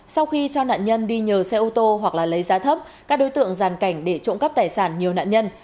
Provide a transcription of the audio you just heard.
sau khi cho nạn nhân đi nhờ xe ô tô hoặc là lấy giá thấp các đối tượng giàn cảnh để trộm cắp tài sản nhiều nạn nhân